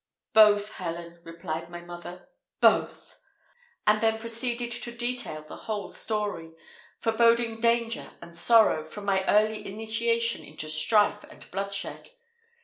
"Both, Helen," replied my mother; "both!" and then proceeded to detail the whole story, foreboding danger and sorrow, from my early initiation into strife and bloodshed.